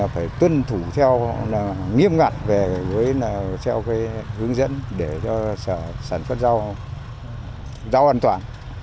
phải tuân thủ theo nghiêm ngặt theo hướng dẫn để sản xuất rau an toàn